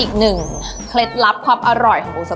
อีกหนึ่งเคล็ดลับความอร่อยของหมูสะเต๊ะ